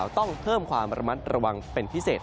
ต้องเพิ่มความระมัดระวังเป็นพิเศษ